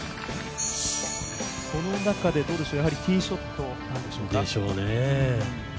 その中でやはりティーショットなんでしょうか。でしょうね。